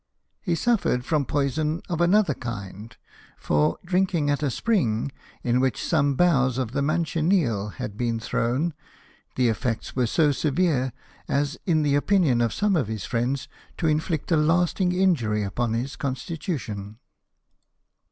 He suffered from poison of another kind ; for, drinking at a spring in which some boughs of the manchineel had been thrown, the effects were so severe as, in the opinion of some of his friends, to inflict a lasting injury upon his constitution.